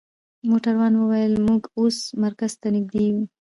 موټروان وویل: موږ اوس مرکز ته نژدې یو.